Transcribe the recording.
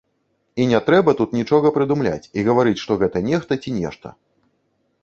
І не трэба тут нічога прыдумляць і гаварыць, што гэта нехта ці нешта.